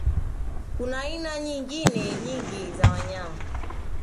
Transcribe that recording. Kuna aina nyingine nyingi za wanyama